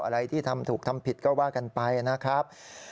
อะไรที่ทำถูกทำผิดก็ว่ากันไปนะครับ